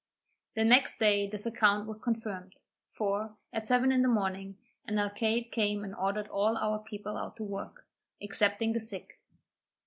The next day this account was confirmed; for, at seven in the morning, an alcaide came and ordered all our people out to work, excepting the sick.